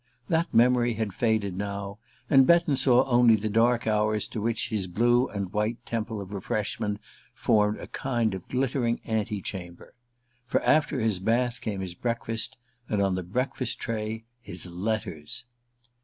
That memory had faded now, and Betton saw only the dark hours to which his blue and white temple of refreshment formed a kind of glittering antechamber. For after his bath came his breakfast, and on the breakfast tray his letters.